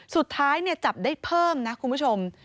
สุดท้ายจับได้เพิ่มนะคุณผู้ชม